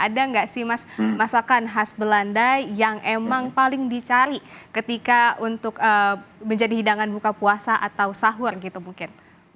ada nggak sih mas masakan khas belanda yang emang paling dicari ketika untuk menjadi hidangan buka puasa atau sahur gitu mungkin